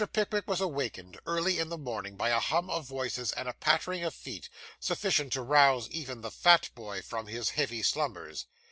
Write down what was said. Pickwick was awakened early in the morning, by a hum of voices and a pattering of feet, sufficient to rouse even the fat boy from his heavy slumbers.